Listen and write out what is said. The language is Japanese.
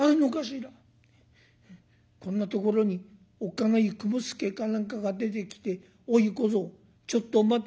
こんなところにおっかない雲助か何かが出てきて『おい小僧ちょっと待て』